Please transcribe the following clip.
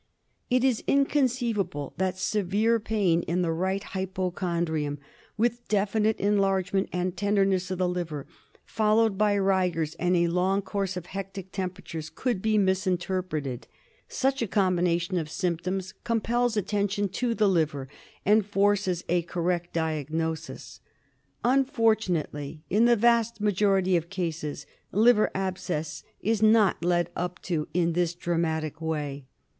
It is inconceivable that severe pain in the right hypo chondrium, with definite enlargement and tenderness of the liver, followed by rigors and a long course of hectic temperatures, could be misinterpreted. Such a combina tion of symptoms compels attention to the liver and forces a correct diagnosis. Unfortunately, in the vast majority of cases, liver abscess is not led up to in this dramatic way.